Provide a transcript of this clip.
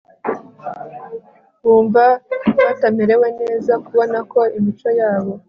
bumva batamerewe neza Kubona ko imico yabo